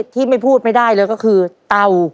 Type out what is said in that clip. ที่ไม่พูดไม่ได้เลยก็คือเตา